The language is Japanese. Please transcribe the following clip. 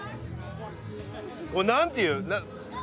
ここ何ていう？